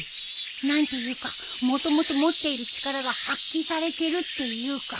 何ていうかもともと持っている力が発揮されてるっていうか。